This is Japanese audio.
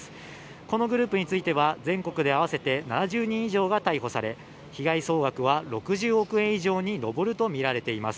このグループについては全国で合わせて７０人以上が逮捕され被害総額は６０億円以上に上るとみられています。